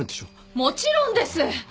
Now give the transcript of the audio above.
もちろんです！